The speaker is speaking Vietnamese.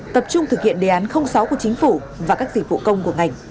tập trung thực hiện đề án sáu của chính phủ và các dịch vụ công của ngành